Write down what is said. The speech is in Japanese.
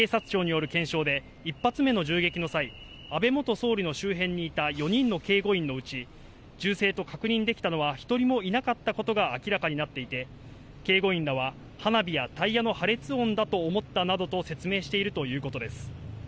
警察庁による検証で、１発目の銃撃の際、安倍元総理の周辺にいた４人の警護員のうち、銃声と確認できたのは１人もいなかったことが明らかになっていて、警護員らは、花火やタイヤの破裂音だと思ったなどと説明しているということです。